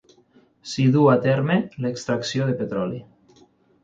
S'hi duu a terme l'extracció de petroli.